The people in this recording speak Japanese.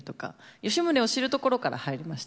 吉宗を知るところから入りましたね。